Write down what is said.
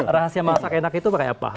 rahasia masak enak itu pakai apa